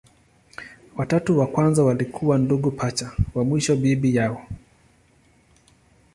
Watatu wa kwanza walikuwa ndugu pacha, wa mwisho bibi yao.